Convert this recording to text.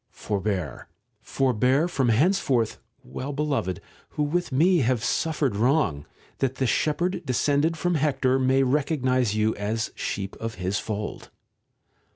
Forbear, forbear, from henceforth, well beloved, who with me have suffered wrong, that the shepherd descended from Hector may recognize you as sheep of his fold.